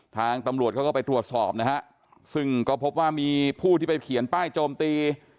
ทางตำรวจเขาก็ไปตรวจสอบนะฮะซึ่งก็พบว่ามีผู้ที่ไปเขียนป้ายโจมตี